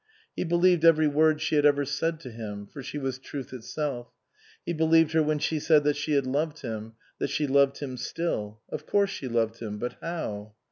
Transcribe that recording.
He believed every word she had ever said to him, for she was truth itself; he believed her when she said that she had loved him, that she loved him still. Of course she loved him; but how?